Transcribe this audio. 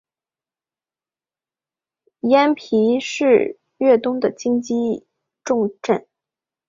庵埠是粤东的经济重镇。